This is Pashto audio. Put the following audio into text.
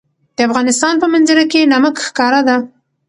د افغانستان په منظره کې نمک ښکاره ده.